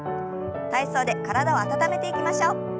体操で体を温めていきましょう。